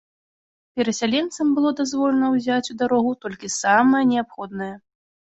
Перасяленцам было дазволена ўзяць у дарогу толькі самае неабходнае.